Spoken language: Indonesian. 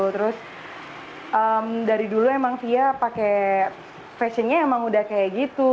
terus dari dulu emang fia pakai fashionnya emang udah kayak gitu